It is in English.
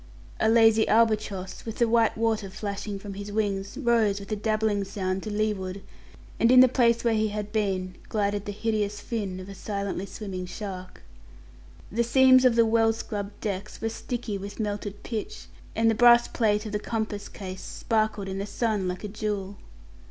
A lazy albatross, with the white water flashing from his wings, rose with a dabbling sound to leeward, and in the place where he had been glided the hideous fin of a silently swimming shark. The seams of the well scrubbed deck were sticky with melted pitch, and the brass plate of the compass case sparkled in the sun like a jewel.